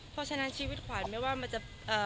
เพราะฉะนั้นชีวิตขวานไม่ว่ามันจะเอ่อ